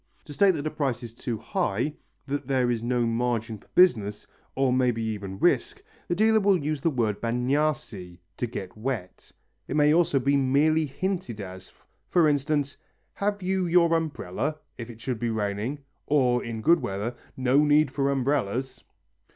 To state that a price is too high, that there is no margin for business, or maybe even risk, the dealer will use the word bagnarsi (to get wet). It may also be merely hinted as, for instance, "Have you your umbrella?" if it should be raining, or in good weather, "No need for umbrellas."